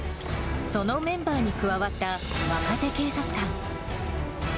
そのメンバーに加わった若手警察官。